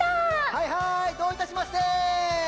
はいはいどういたしまして！